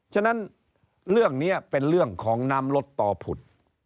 ฉะนั้นเรื่องนี้เป็นเรื่องของน้ำลดต่อผุด